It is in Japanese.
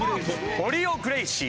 エリオ・グレイシー！